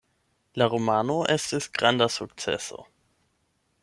La romano estis granda sukceso.